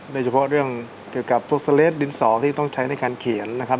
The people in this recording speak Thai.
โดยเฉพาะเรื่องเกี่ยวกับพวกสเลสดินสอที่ต้องใช้ในการเขียนนะครับ